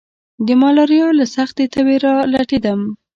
د ملاريا له سختې تبي را لټېدم.